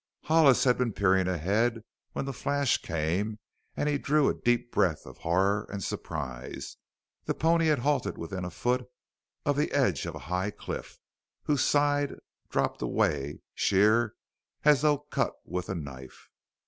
Hollis had been peering ahead when the flash came and he drew a deep breath of horror and surprise. The pony had halted within a foot of the edge of a high cliff whose side dropped away sheer, as though cut with a knife.